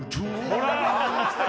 ほら！